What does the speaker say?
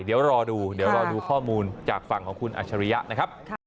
เดี๋ยวรอดูเดี๋ยวรอดูข้อมูลจากฝั่งของคุณอัชริยะนะครับ